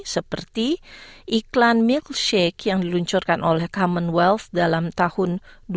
seperti iklan milkshake yang diluncurkan oleh commonwealth dalam tahun dua ribu dua puluh satu